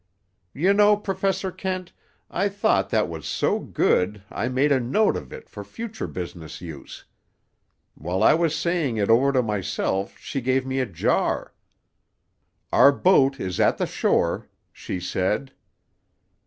"You know, Professor Kent, I thought that was so good I made a note of it for future business use. While I was saying it over to myself she gave me a jar: "'Our boat is at the shore,' she said.